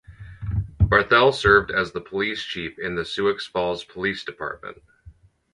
Barthel served as the police chief in the Sioux Falls Police Department.